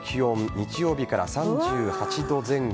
日曜日から３８度前後。